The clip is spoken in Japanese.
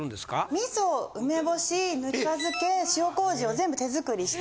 味噌梅干しぬか漬け塩麹を全部手作りして。